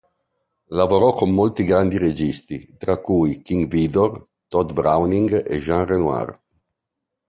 Lavorò con molti grandi registi, tra cui King Vidor, Tod Browning e Jean Renoir.